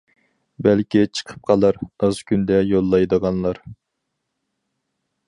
بەلكى چىقىپ قالار ئاز كۈندە يوللايدىغانلار.